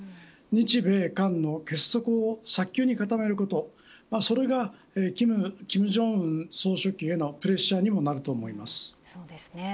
日米韓の結束を早急に固めることそれが金正恩総書記へのプレッシャーにもなると思います。